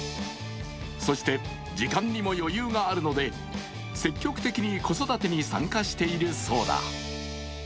そして時間にも余裕があるので積極的に子育てに参加しているそうだ。